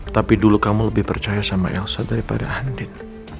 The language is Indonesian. tapi dulu kamu lebih percaya sama elsa daripada handin